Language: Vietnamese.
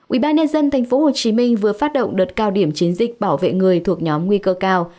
ubnd tp hcm vừa phát động đợt cao điểm chiến dịch bảo vệ người thuộc nhóm nguy cơ cao